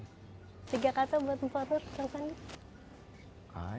tiga kata buat pak nur selesai